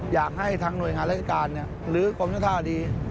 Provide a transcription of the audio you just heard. อยากให้ทางหน่วยงานรัฐกาลหรือความยุทธาดี